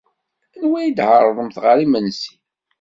Anwa ay d-tɛerḍemt ɣer yimsensi?